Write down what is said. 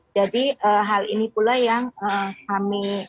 jadi hal ini pula yang kami lakukan